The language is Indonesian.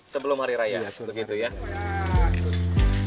sebelum hari raya begitu ya